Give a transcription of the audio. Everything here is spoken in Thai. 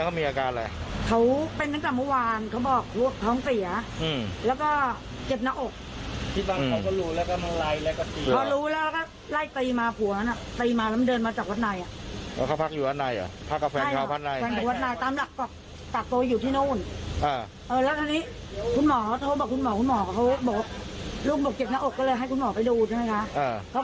หาทางออกไม่ได้จริงครับ